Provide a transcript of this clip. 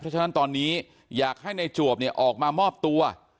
ฉะนั้นตอนนี้อยากให้ในจวบเนี่ยออกมามอบตัว